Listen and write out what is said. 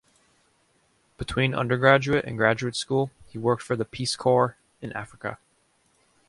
Between undergraduate and graduate school he worked for the Peace Corps in Africa.